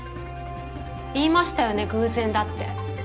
言いましたよね偶然だって。